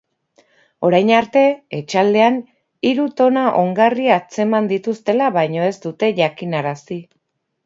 Orain arte, etxaldean hiru tona ongarri atzeman dituztela baino ez dute jakinarazi.